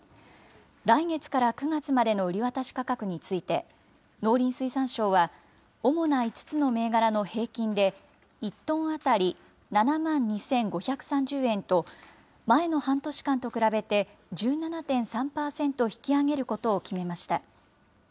来月から９月までの売り渡し価格について、農林水産省は、主な５つの銘柄の平均で、１トン当たり７万２５３０円と、前の半年間と比べて１７．３％引き上げることを決めました。